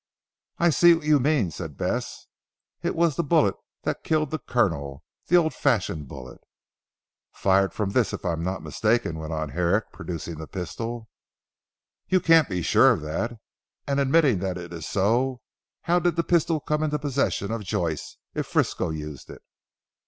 "I see what you mean," said Bess, "it was the bullet that killed the Colonel the old fashioned bullet " "Fired from this if I am not mistaken," went on Herrick producing the pistol. "You can't be sure of that. And admitting that it is so, how did the pistol come into possession of Joyce, if Frisco used it?"